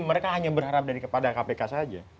mereka hanya berharap dari kepada kpk saja